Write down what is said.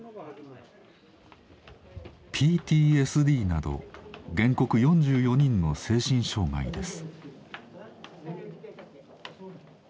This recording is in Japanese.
ＰＴＳＤなど原告４４人の精神障害です。